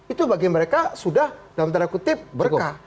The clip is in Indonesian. itu bagi mereka sudah dalam tanda kutip berkah